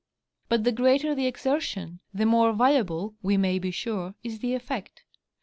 But the greater the exertion the more valuable, we may be sure, is the effect.